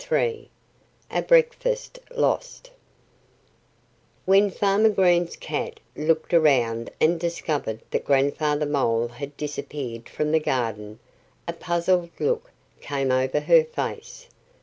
III A BREAKFAST LOST WHEN Farmer Green's cat looked around and discovered that Grandfather Mole had disappeared from the garden a puzzled look came over her face.